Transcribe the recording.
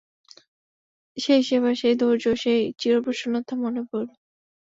সেই সেবা, সেই ধৈর্য, সেই চিরপ্রসন্নতা মনে পড়িল।